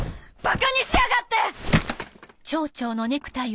バカにしやがって！